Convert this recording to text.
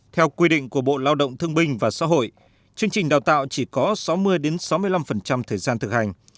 theo quy định của bộ lao động thương binh và xã hội chương trình đào tạo chỉ có sáu mươi sáu mươi năm thời gian thực hành